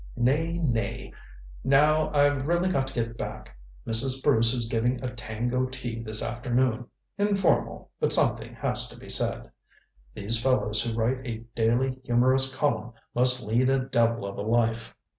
Nay, nay. Now, I've really got to get back. Mrs. Bruce is giving a tango tea this afternoon informal, but something has to be said These fellows who write a daily humorous column must lead a devil of a life."